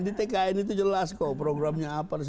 di tkn itu jelas kok programnya apa